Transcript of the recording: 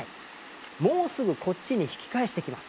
もうすぐこっちに引き返してきます。